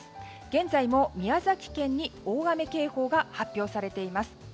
現在も宮崎県に大雨警報が発表されています。